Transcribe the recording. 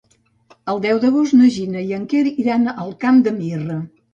El deu d'agost na Gina i en Quer iran al Camp de Mirra.